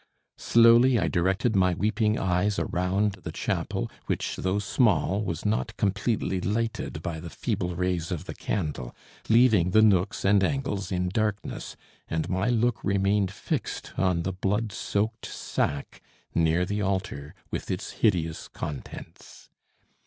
Slowly I directed my weeping eyes around the chapel, which, though small, was not completely lighted by the feeble rays of the candle, leaving the nooks and angles in darkness, and my look remained fixed on the blood soaked sack near the altar with its hideous contents.